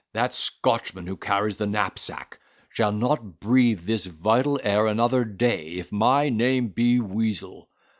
That Scotchman who carries the knapsack shall not breathe this vital air another day, if my name be Weazel.